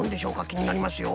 きになりますよ。